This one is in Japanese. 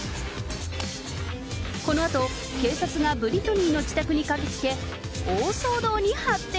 このあと、警察がブリトニーの自宅に駆けつけ、大騒動に発展。